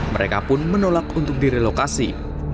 mereka pun menolak untuk direlokasi